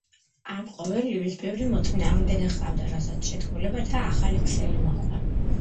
ამ ყოველივეს ბევრი მოწინააღმდეგე ჰყავდა, რასაც შეთქმულებათა ახალი ქსელი მოჰყვა.